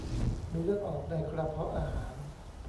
มีเลือดออกในกระเพาะอาหาร